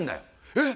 えっ？